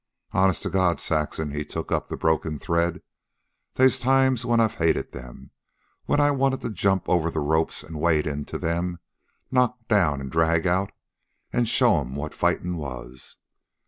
"Honest to God, Saxon," he took up the broken thread, "they's times when I've hated them, when I wanted to jump over the ropes and wade into them, knock down and drag out, an' show'm what fightin' was.